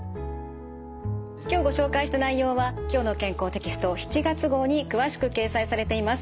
今日ご紹介した内容は「きょうの健康」テキスト７月号に詳しく掲載されています。